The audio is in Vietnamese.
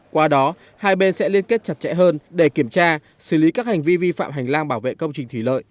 qua đó hai bên sẽ liên kết chặt chẽ hơn để kiểm tra xử lý các hành vi vi phạm hành lang bảo vệ công trình thủy lợi